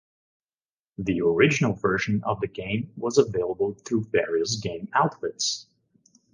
The original version of the game was available through various game outlets.